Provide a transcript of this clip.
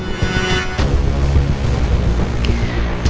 oh ini dia